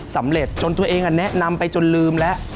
สำเร็จจนตัวเองแนะนำไปจนลืมแล้ว